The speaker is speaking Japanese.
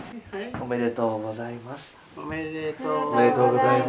おめでとうございます。